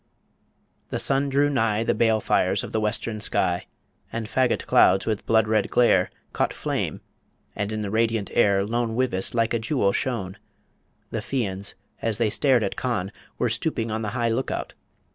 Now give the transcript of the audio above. The sun drew nigh The bale fires of the western sky, And faggot clouds with blood red glare, Caught flame, and in the radiant air Lone Wyvis like a jewel shone The Fians, as they stared at Conn, Were stooping on the high Look Out.